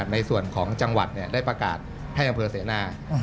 ในส่วนของจังหวัดได้ประกาศให้อำเภอเสนา